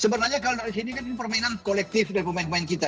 sebenarnya kalau dari sini kan ini permainan kolektif dari pemain pemain kita